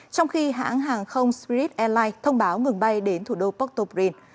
trong khi hãng hàng không spirit airlines thông báo ngừng bay đến thủ đô portobrine